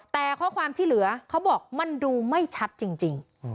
แต่ข้อความที่เหลือเขาบอกมันดูไม่ชัดจริง